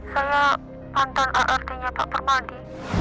saya pantun rrt nya pak permadi